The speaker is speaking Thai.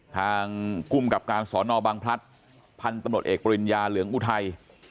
ทางภูมิกับการสอนอบังพลัดพันธุ์ตำรวจเอกปริญญาเหลืองอุทัย